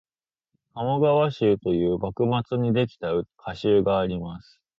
「鴨川集」という幕末にできた歌集があります